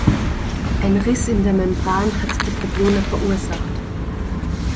Ein Riss in der Membran hat die Probleme verursacht.